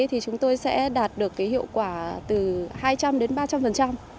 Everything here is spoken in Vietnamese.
thì chúng tôi sẽ đạt được cái hiệu quả từ hai trăm linh đến ba trăm linh